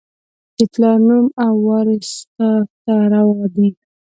د پلار نوم او، وراث تا ته روا دي